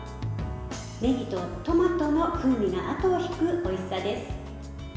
ねぎとトマトの風味があとを引くおいしさです。